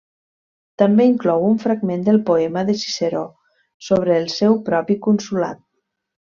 També inclou un fragment del poema de Ciceró sobre el seu propi consolat.